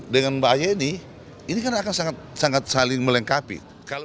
dengan mbak yeni ini kan akan sangat saling melengkapi